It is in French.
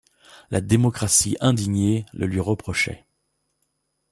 La démocratie indignée le lui reprochait.